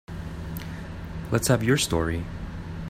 Let's have your story.